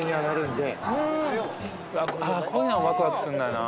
こういうのワクワクすんだよな